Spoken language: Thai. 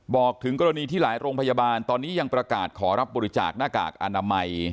บอกถึงกรณีที่หลายโรงพยาบาลตอนนี้ยังประกาศขอรับบริจาคหน้ากากอนามัย